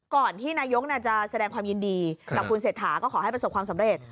ก่อนที่นายกจะแสดงความยินดีกับคุณเศรษฐาก็ขอให้ประสบความสำเร็จ